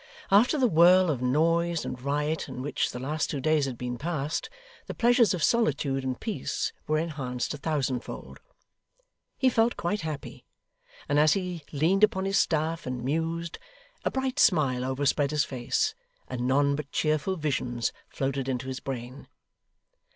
After the whirl of noise and riot in which the last two days had been passed, the pleasures of solitude and peace were enhanced a thousandfold. He felt quite happy; and as he leaned upon his staff and mused, a bright smile overspread his face, and none but cheerful visions floated into his brain.